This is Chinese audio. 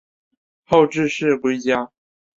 后致仕归家。